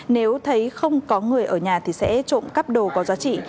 nếu thấy không có người ở nhà thì sẽ trụ cấp đồ có giá trị